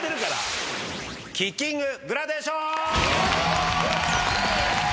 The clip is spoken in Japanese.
キッキンググラデーション！